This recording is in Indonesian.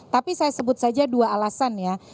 tapi saya sebut saja dua alasan ya